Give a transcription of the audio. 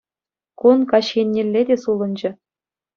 Кун каҫ еннелле те сулӑнчӗ.